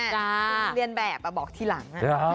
คุณเรียนแบบบอกทีหลัง